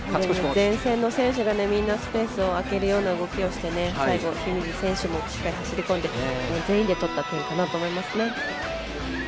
前線の選手が守備をあけるような動きをして最後、清水選手もしっかり走りこんで全員で取った点かなと思いますね。